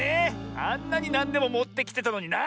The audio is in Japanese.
あんなになんでももってきてたのにな。